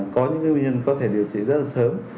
có những bệnh nhân có thể điều trị rất là sớm